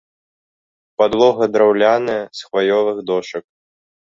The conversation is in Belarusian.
Падлога драўляная, з хваёвых дошак.